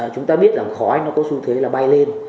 chúng ta biết rằng khói nó có xu thế là bay lên